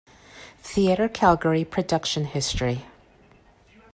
"Theatre Calgary production history"